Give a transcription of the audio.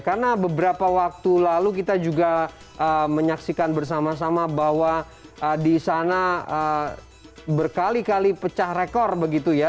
karena beberapa waktu lalu kita juga menyaksikan bersama sama bahwa di sana berkali kali pecah rekor begitu ya